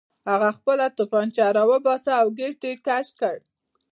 هغه خپله توپانچه راوباسله او ګېټ یې کش کړ